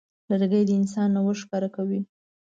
لرګی د انسان نوښت ښکاره کوي.